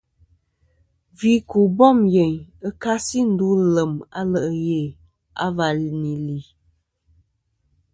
Gvi ku bom yeyn ɨ kasi ndu lem a le' ghe và nì li.